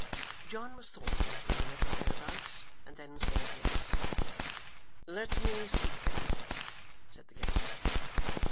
John was thoughtful for a minute or thereabouts, and then said Yes. 'Let me see him,' said the guest.